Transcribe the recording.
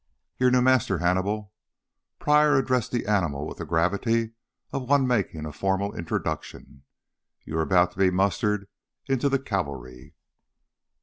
"Your new master, Hannibal," Pryor addressed the animal with the gravity of one making a formal introduction. "You are about to be mustered into the cavalry."